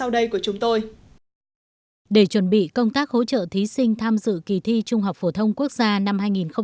để chuẩn bị công tác hỗ trợ thí sinh tham dự kỳ thi trung học phổ thông quốc gia năm hai nghìn một mươi chín